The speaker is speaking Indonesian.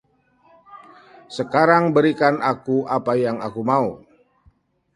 Sekarang berikan aku apa yang aku mau.